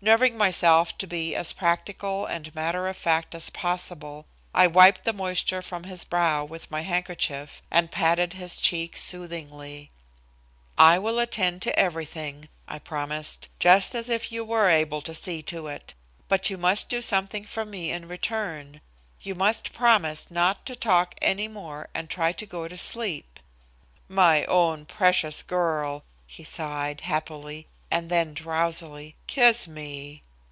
Nerving myself to be as practical and matter of fact as possible, I wiped the moisture from his brow with my handkerchief and patted his cheek soothingly. "I will attend to everything," I promised, "just as if you were able to see to it. But you must do something for me in return; you must promise not to talk any more and try and go to sleep." "My own precious girl," he sighed, happily, and then drowsily "Kiss me!"